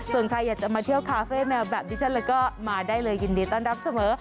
ส่วนใครอยากจะมาเที่ยวคาเฟ่แมวแบบนี้ฉันเลยก็มาได้เลยยินดีต้อนรับเสมอ